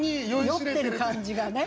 酔ってる感じがね。